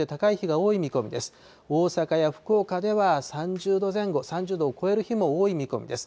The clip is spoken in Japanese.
大阪や福岡では３０度前後、３０度を超える日も多い見込みです。